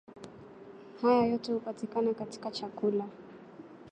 Hayo yote hupatikana katika chakula.